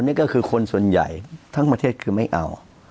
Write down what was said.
นี่ก็คือคนส่วนใหญ่ทั้งประเทศคือไม่เอา